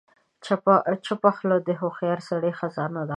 چپه خوله، د هوښیار سړي خزانه ده.